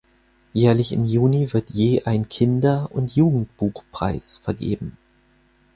Jährlich im Juni wird je ein Kinder- und Jugendbuchpreis vergeben.